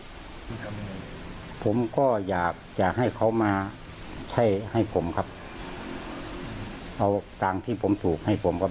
ครับผมผมก็อยากจะให้เขามาใช่ให้ผมครับเอาตังค์ที่ผมถูกให้ผมครับ